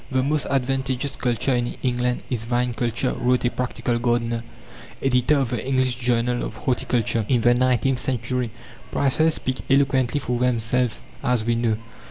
"The most advantageous culture in England is vine culture," wrote a practical gardener, editor of the "English Journal of Horticulture" in the Nineteenth Century. Prices speak eloquently for themselves, as we know.